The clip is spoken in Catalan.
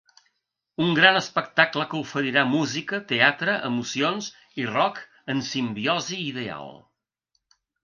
Un gran espectacle que oferirà música, teatre, emocions i rock en simbiosi ideal!